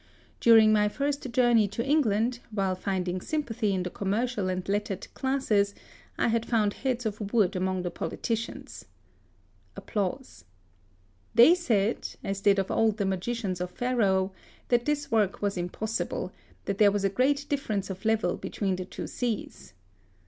During my first journey to England, while finding sympathy in the commercial and lettered classes, I had found heads of wood among the politicians. They said, as did of old the magicians of Pharaoh, that this work was impossible : that there was a great difference of level between the two seas.